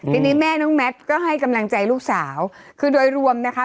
ทีนี้แม่น้องแมทก็ให้กำลังใจลูกสาวคือโดยรวมนะคะ